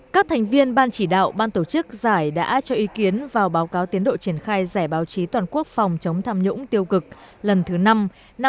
các thành viên ban chỉ đạo ban tổ chức giải đã cho ý kiến vào báo cáo tiến đội triển khai giải báo chí toàn quốc phòng chống tham nhũng tiêu cực lần thứ năm năm hai nghìn hai mươi bốn hai nghìn hai mươi năm